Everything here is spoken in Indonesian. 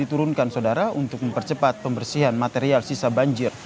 diturunkan saudara untuk mempercepat pembersihan material sisa banjir